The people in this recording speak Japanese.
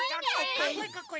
かっこいいかっこいい！